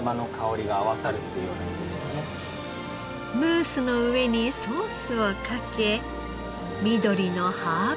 ムースの上にソースをかけ緑のハーブオイル。